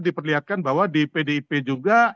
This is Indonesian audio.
diperlihatkan bahwa di pdip juga